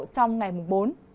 trong ngày mùng bốn